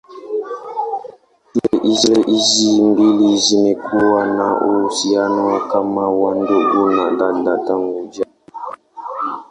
Shule hizi mbili zimekuwa na uhusiano kama wa ndugu na dada tangu jadi.